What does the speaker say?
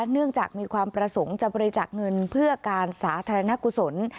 เนื่องจากมีความประสงค์จะบริจาคเงินเพื่อการสาธารณกุศล